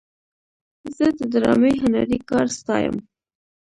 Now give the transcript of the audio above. زه د ډرامې هنري کار ستایم.